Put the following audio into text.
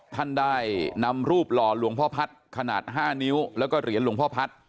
ท่านได้นำรูปหล่อหลวงพ่อพัฒน์ขนาด๕นิ้วแล้วก็เหรียญหลวงพ่อพัฒน์